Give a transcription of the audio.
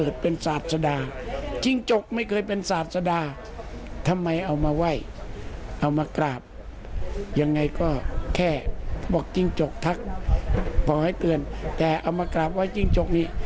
ฟังให้เตือนแต่เอามากรับว่าจริงจกนี้